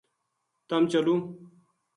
تم چلوں ‘‘